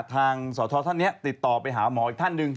สทท่านนี้ติดต่อไปหาหมออีกท่านหนึ่ง